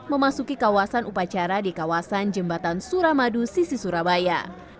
memasuki kawasan upacara di kawasan jembatan suramadu sisi surabaya